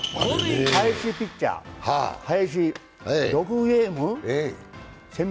林ピッチャー、６ゲーム？